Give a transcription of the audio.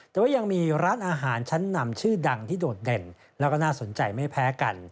แต่ว่ายังมีร้านอาหารชั้นนำชื่อดังที่โดดเด่นแล้วก็น่าสนใจไม่แพ้กัน